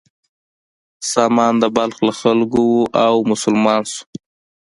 سامان د بلخ له خلکو و او مسلمان شو.